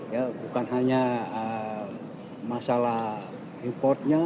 ya bukan hanya masalah importnya